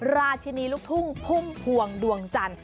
ราชินีลูกทุ่งพุ่มพวงดวงจันทร์